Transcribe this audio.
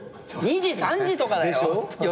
２時３時とかだよ夜中の。